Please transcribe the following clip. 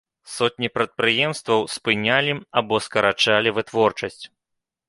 Сотні прадпрыемстваў спынялі або скарачалі вытворчасць.